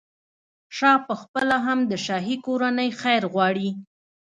شاه پخپله هم د شاهي کورنۍ خیر غواړي.